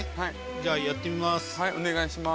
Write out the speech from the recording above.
じゃあやってみます。